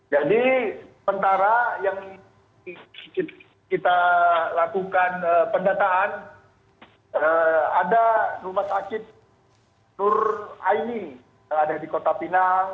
jadi sementara yang kita lakukan pendataan ada rumah sakit nur aini yang ada di kota pinang